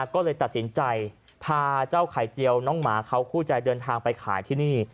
ก็เลยตัดสินใจพาเจ้าไข่เจียวน้องหมาเขาคู่ใจเดินทางไปขายที่นี่